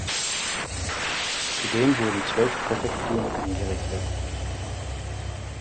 Zudem wurden zwölf Präfekturen eingerichtet.